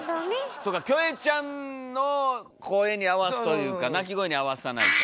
そうかキョエちゃんの声に合わすというか鳴き声に合わさないと。